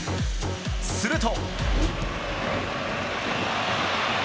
すると。